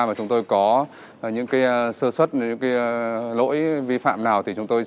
và chúng tôi có những sơ xuất những lỗi vi phạm nào